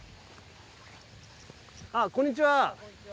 あっこんにちは。